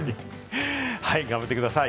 頑張ってください。